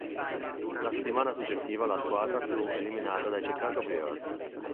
La settimana successiva la squadra fu eliminata dai Chicago Bears.